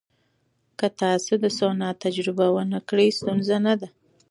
که تاسو د سونا تجربه ونه کړئ، ستونزه نه ده.